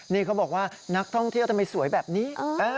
นี่เขาบอกว่านักท่องเที่ยวทำไมสวยแบบนี้